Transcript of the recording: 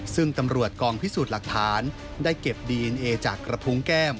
ซึ่งตำรวจกองพิสูจน์หลักฐานได้เก็บดีเอ็นเอจากกระพุงแก้ม